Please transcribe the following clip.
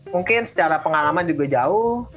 mungkin secara pengalaman juga jauh